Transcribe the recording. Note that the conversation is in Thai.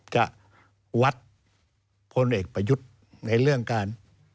จะวัดพลเอกประยุทธ์ในเรื่องการ